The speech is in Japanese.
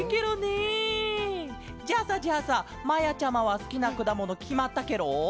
じゃあさじゃあさまやちゃまはすきなくだものきまったケロ？